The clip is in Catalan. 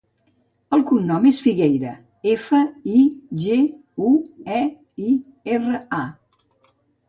El cognom és Figueira: efa, i, ge, u, e, i, erra, a.